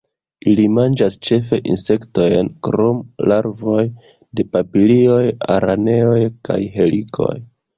Ili manĝas ĉefe insektojn krom larvoj de papilioj, araneoj kaj helikoj.